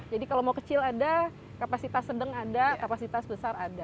jadi kalau mau kecil ada kapasitas sedang ada kapasitas besar ada